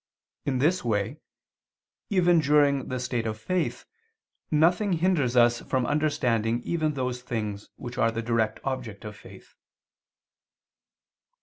In this way, even during the state of faith, nothing hinders us from understanding even those things which are the direct object of faith.